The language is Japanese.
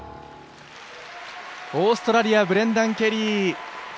オーストラリアブレンダン・ケリー。